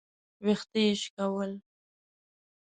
ويښته يې شکول.